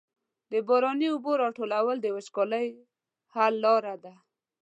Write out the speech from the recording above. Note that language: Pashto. د باراني اوبو راټولول د وچکالۍ حل لاره ده.